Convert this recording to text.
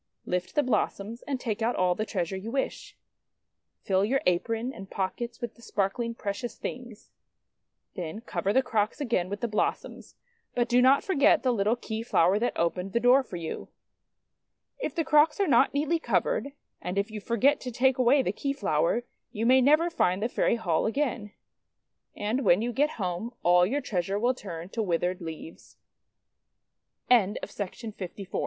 Lift the blossoms, and take out all the treasure you wrish. Fill your apron and pockets with the sparkling precious things. Then cover the crocks again with the blossoms; but do not forget the little Key Flower that opened the door for you. If the crocks are not neatly covered, and if you forget to take away the Key Flower, you may never find the Fairy Hall again. And THE FOX IN GLOVES 141 when you get home all your treasure will turn to withered leaves.